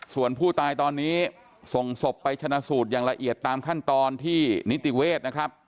ส่วนผู้ตายตอนนี้ส่งศพไปชนะสูตรอย่างละเอียดตามขั้นตอนที่นิติเวศนะครับ